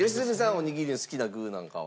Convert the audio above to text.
おにぎりの好きな具なんかは？